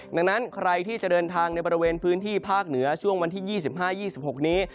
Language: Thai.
ดังนั้นใครที่จะเดินทางในบริเวณพื้นที่ภาคเหนือช่วงวันที่๒๕๒๖นี้